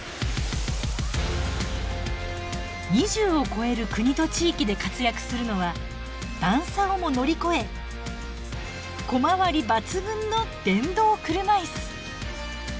２０を超える国と地域で活躍するのは段差をも乗り越え小回り抜群の電動車椅子。